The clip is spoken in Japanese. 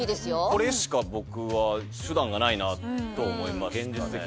これしか僕は手段がないなと思いましたね。